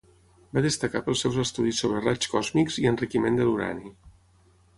Va destacar pels seus estudis sobre raigs còsmics i enriquiment de l'urani.